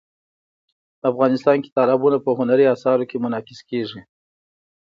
افغانستان کې تالابونه په هنري اثارو کې منعکس کېږي.